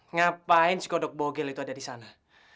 ngapain si godok bogel itu ada di sana